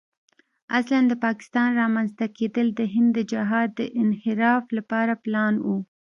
اصلاً د پاکستان رامنځته کېدل د هند د جهاد د انحراف لپاره پلان و.